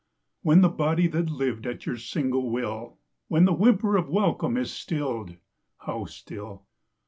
When the body that lived at your single will When the whimper of welcome is stilled (how still!)